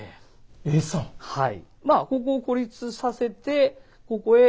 はい。